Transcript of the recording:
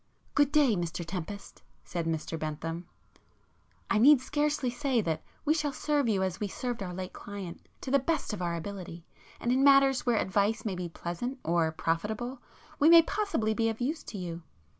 "Good day Mr Tempest,"—said Mr Bentham—"I need scarcely say that we shall serve you as we served our late client, to the best of our ability. And in matters where advice may be pleasant or profitable, we may possibly be of use to you.